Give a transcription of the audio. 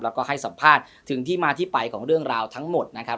แล้วก็ให้สัมภาษณ์ถึงที่มาที่ไปของเรื่องราวทั้งหมดนะครับ